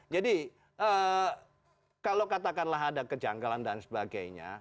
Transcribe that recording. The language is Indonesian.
jadi kalau katakanlah ada kejanggalan dan sebagainya